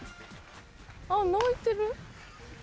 あっ泣いてる。